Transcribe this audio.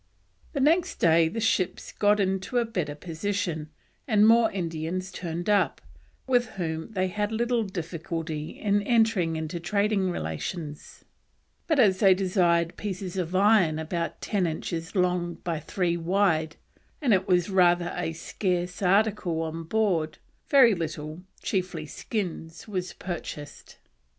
The next day the ships got into a better position, and more Indians turned up, with whom they had little difficulty in entering into trading relations; but as they desired pieces of iron about ten inches long by three wide, and it was rather a scarce article on board, very little, chiefly skins, was purchased.